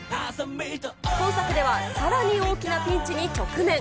本作ではさらに大きなピンチに直面。